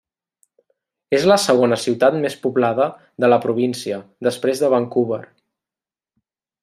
És la segona ciutat més poblada de la província després de Vancouver.